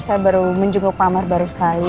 saya baru menjunggu pak amar baru sekali